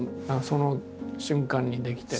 その瞬間に出来て。